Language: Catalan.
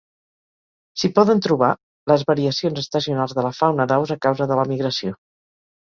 S'hi poden trobar, les variacions estacionals de la fauna d'aus a causa de la migració.